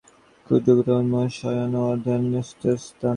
তেতলার ছাদের এক কোণে একটি ক্ষুদ্র গৃহে মহেন্দ্রের শয়ন এবং অধ্যয়নেরস্থান।